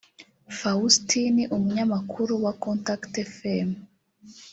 Faustin (umunyamakuru wa contact fm)